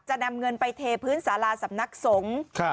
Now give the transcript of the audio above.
จะนำเงินไปเทพื้นสาราสำนักสงฆ์